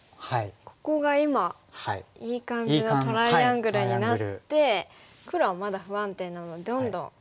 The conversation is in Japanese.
ここが今いい感じのトライアングルになって黒はまだ不安定なのでどんどん封鎖していきますか。